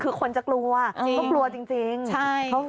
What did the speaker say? คือคนจะกลัวจริงต้องกลัวจริงจริงใช่